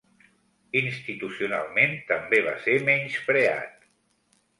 Institucionalment també va ser menyspreat.